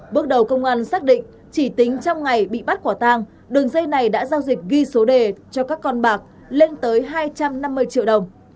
bước đầu công an xác định chỉ tính trong ngày bị bắt quả tang đường dây này đã giao dịch ghi số đề cho các con bạc lên tới hai trăm năm mươi triệu đồng